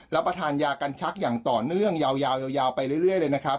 รับประทานยากันชักอย่างต่อเนื่องยาวไปเรื่อยเลยนะครับ